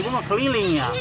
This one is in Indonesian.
kandungan keliling ya